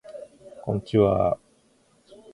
こんちはー